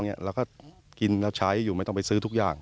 เราก็กินแล้วใช้อยู่ไม่ต้องไปซื้อทุกอย่าง